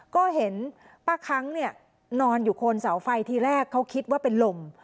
ก็เห็นป้าคั้งเนี่ยนอนอยู่คนเสาไฟทีแรกเขาคิดว่าเป็นลม